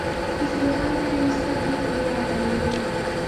خسرو خان ته يې سترګې ور واړولې.